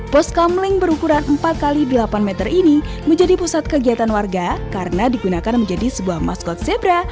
pos kamling berukuran empat x delapan meter ini menjadi pusat kegiatan warga karena digunakan menjadi sebuah maskot zebra